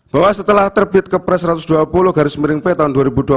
bahwa setelah terbit kepres satu ratus dua puluh garis miring p tahun dua ribu dua puluh